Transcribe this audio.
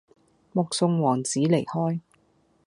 目送王子離開